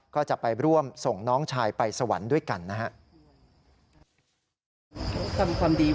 ก็จะไปร่วมส่งน้องชายไปสวรรค์ด้วยกันนะครับ